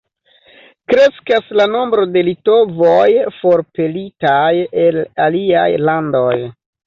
Kreskas la nombro de litovoj forpelitaj el aliaj landoj.